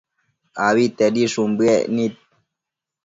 abitedishun bëec nid